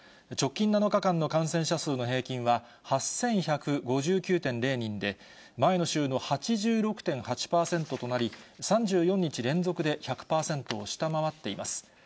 直近７日間の感染者数の平均は８１５９．０人で、前の週の８６．８％となり、３４日連続で１００％を下回っています。